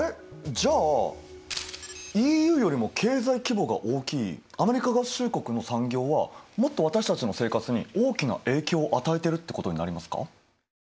じゃあＥＵよりも経済規模が大きいアメリカ合衆国の産業はもっと私たちの生活に大きな影響を与えてるってことになりますか？